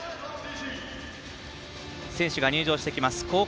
選手が入場してきます。